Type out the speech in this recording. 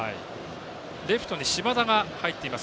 レフトに島田が入っています。